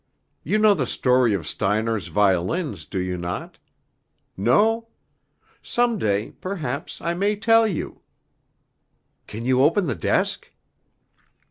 "You know the story of Steiner's violins, do you not? No? Some day, perhaps, I may tell you. Can you open the desk?"